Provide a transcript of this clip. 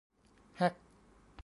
แฮ็ก